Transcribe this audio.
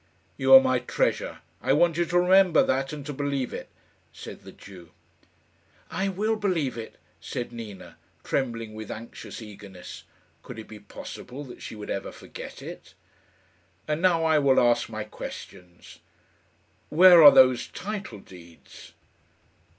"You are my treasure. I want you to remember that, and to believe it," said the Jew. "I will believe it," said Nina, trembling with anxious eagerness. Could it be possible that she would ever forget it? "And now I will ask my questions. Where are those title deeds?"